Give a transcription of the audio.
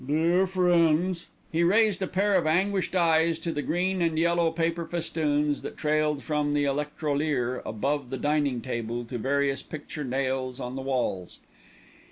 "Dear friends." He raised a pair of anguished eyes to the green and yellow paper festoons that trailed from the electrolier above the dining table to various picture nails in the walls.